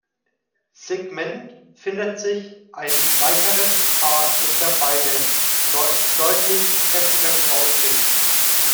Segment findet sich ein weiteres Paar echter Beine, die deutlich kräftiger gebaut sind.